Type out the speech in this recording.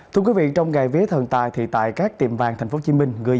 thưa quý vị trong ngày viết thần tài thì tại các tiệm vàng thành phố hồ chí minh